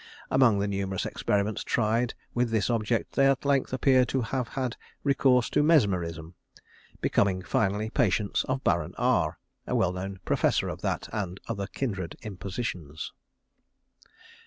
Among the numerous experiments tried with this object, they at length appear to have had recourse to mesmerism, becoming finally patients of Baron R, a well known professor of that and other kindred impositions.